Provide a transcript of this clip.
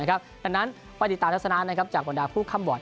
ดังนั้นปฏิตาลักษณะนะครับจากบรรดาผู้ข้ำบอด